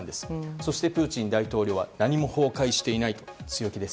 そして、プーチン大統領は何も崩壊していないと強気です。